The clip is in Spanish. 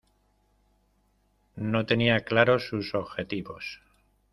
No tenía claro sus objetivos.